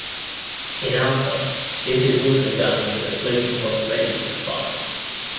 In Alpha this is also done for the floating-point register file.